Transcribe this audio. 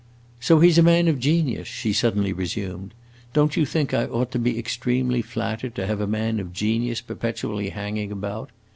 "So he 's a man of genius," she suddenly resumed. "Don't you think I ought to be extremely flattered to have a man of genius perpetually hanging about?